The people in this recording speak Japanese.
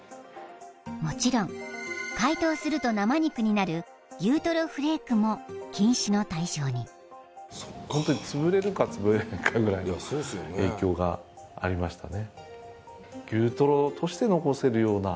もちろん解凍すると生肉になる牛とろフレークも禁止の対象にホントに潰れるか潰れないかぐらいの影響がありましたね